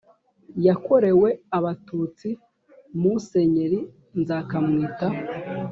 yakorewe Abatutsi Musenyeri Nzakamwita